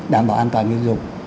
đảm bảo an toàn người dùng